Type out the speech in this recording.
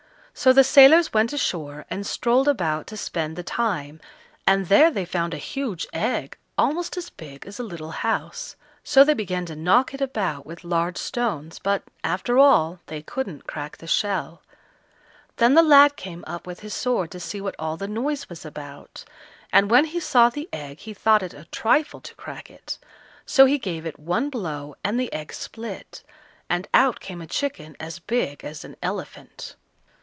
So the sailors went ashore and strolled about to spend the time, and there they found a huge egg, almost as big as a little house. So they began to knock it about with large stones, but, after all, they couldn't crack the shell. Then the lad came up with his sword to see what all the noise was about, and when he saw the egg, he thought it a trifle to crack it; so he gave it one blow and the egg split, and out came a chicken as big as an elephant.